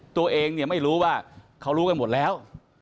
ตัวเองเนี่ยไม่รู้ว่าเขารู้กันหมดแล้ว